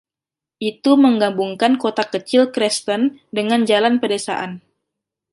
Itu menggabungkan kota kecil Creston dengan jalan pedesaan.